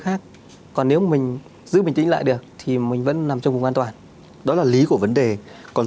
khác còn nếu mình giữ bình tĩnh lại được thì mình vẫn nằm trong vùng an toàn đó là lý của vấn đề còn